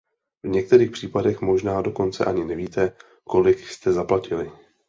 V některých případech možná dokonce ani nevíte, kolik jste zaplatili.